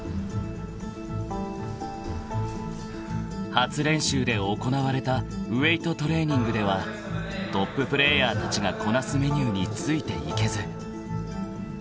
［初練習で行われたウエートトレーニングではトッププレーヤーたちがこなすメニューについていけず］